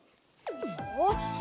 よし！